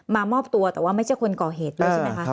มามอบตัวแต่ว่าไม่ใช่คนก่อเหตุเลยใช่ไหมคะ